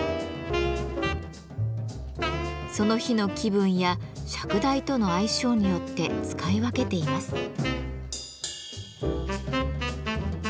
その日の気分や釈台との相性によって使い分けています。